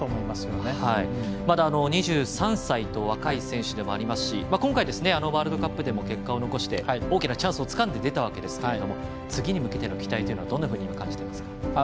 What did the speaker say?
まだ２３歳と若い選手でもありますしワールドカップでも結果を残して大きなチャンスをつかんで出たわけですが次に向けての期待というのはどんなふうに感じていますか。